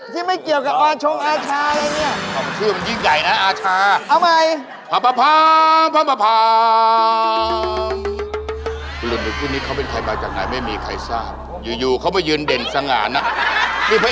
ที่ไม่เกี่ยวกับวัญชงอาชาอะไรอย่างนี้